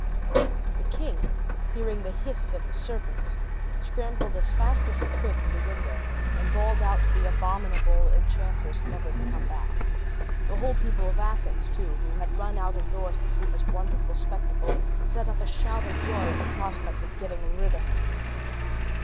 The king, hearing the hiss of the serpents, scrambled as fast as he could to the window, and bawled out to the abominable enchantress never to come back. The whole people of Athens, too, who had run out of doors to see this wonderful spectacle, set up a shout of joy at the prospect of getting rid of her.